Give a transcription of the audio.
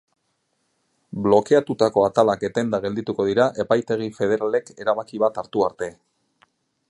Blokeatutako atalak etenda geldituko dira epaitegi federalek erabaki bat hartu arte.